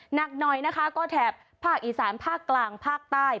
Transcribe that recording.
หนักหน่อยนะคะก็แถบภาคอีสานภาคกลางภาคใต้